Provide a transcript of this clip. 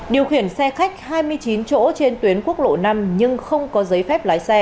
điều khiển xe khách hai mươi chín chỗ trên tuyến quốc lộ năm nhưng không có giấy phép lái xe